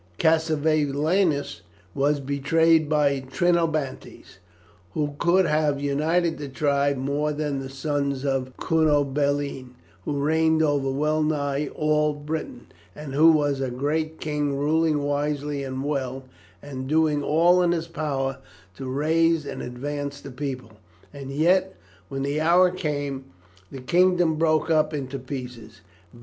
Cassivelaunus was betrayed by the Trinobantes. Who could have united the tribes more than the sons of Cunobeline, who reigned over well nigh all Britain, and who was a great king ruling wisely and well, and doing all in his power to raise and advance the people; and yet, when the hour came, the kingdom broke up into pieces.